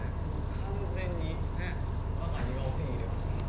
完全にわが庭を手に入れました。